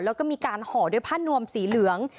แล้วก็มีการห่อด้วยผ้านวมสีเหลือง